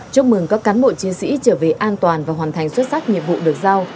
chúc mừng các cán bộ chiến sĩ trở về an toàn và hoàn thành xuất sắc nhiệm vụ được giao